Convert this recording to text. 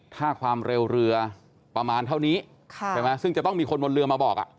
ถ้าความเร็วเรือประมาณเท่านี้ใช่ไหมซึ่งจะต้องมีคนบนเรือมาบอก